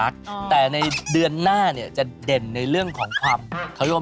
คือนางมองไม่เห็นว่าคนห้อยหัว